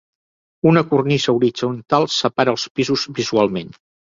Una cornisa horitzontal separa els pisos visualment.